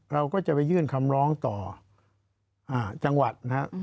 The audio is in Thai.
เราก็จะไปยื่นคำร้องต่อจังหวัดนะครับ